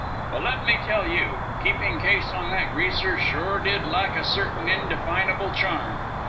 "Well, let me tell you, keeping case on that Greaser sure did lack a certain indefinable charm.